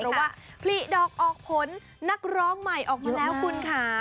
เพราะว่าผลิดอกออกผลนักร้องใหม่ออกมาแล้วคุณค่ะ